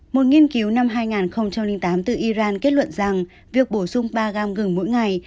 một nghiên cứu năm hai nghìn tám từ iran kết luận rằng việc bổ sung ba gam gừng mỗi ngày